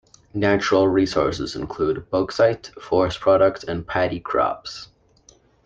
Natural resources include bauxite, forest products and paddy crops.